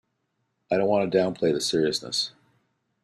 I don't want to downplay the seriousness.